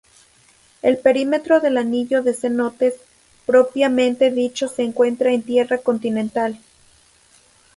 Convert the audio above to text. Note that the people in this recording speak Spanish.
El perímetro del "Anillo de Cenotes" propiamente dicho se encuentra en tierra continental.